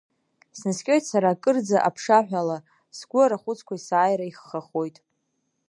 Снаскьоит сара акырӡа аԥшаҳәала, сгәы арахәыцқәа есааира иххахоит.